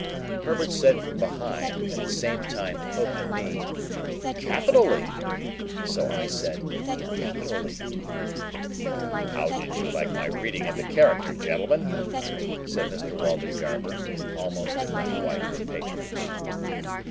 Herbert said from behind (at the same time poking me), "Capitally." So I said "Capitally." "How did you like my reading of the character, gentlemen?" said Mr. Waldengarver, almost, if not quite, with patronage.